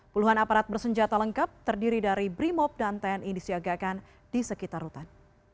puluhan aparat bersenjata lengkap terdiri dari brimob dan tni disiagakan di sekitar rutan